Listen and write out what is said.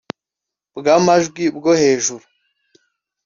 bw amajwi bwo hejuru